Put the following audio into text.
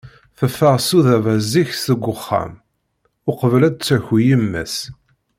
Teffeɣ Sudaba zik seg uxxam, uqbel ad d-taki yemma-s.